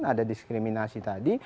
ada diskriminasi tadi